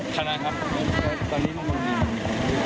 ทะไนครับ